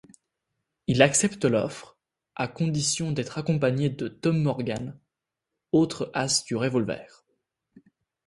Il accepte l'offre, à condition d'être accompagné de Tom Morgan, autre as du revolver.